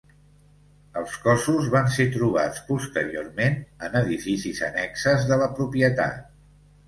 Els cossos van ser trobats posteriorment en edificis annexes de la propietat.